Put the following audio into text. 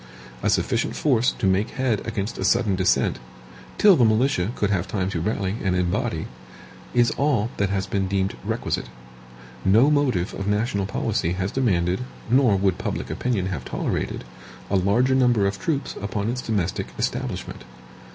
A sufficient force to make head against a sudden descent, till the militia could have time to rally and embody, is all that has been deemed requisite. No motive of national policy has demanded, nor would public opinion have tolerated, a larger number of troops upon its domestic establishment.